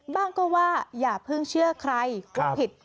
บ้างก็ว่าอย่าเพิ่งเชื่อใครก็ผิด